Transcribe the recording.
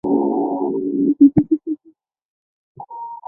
高大乔木或稀灌木。